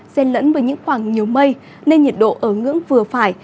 xen lẫn với những khoảng nhiều mây nên nhiệt độ ở ngưỡng vừa phải